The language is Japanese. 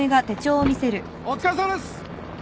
お疲れさまです！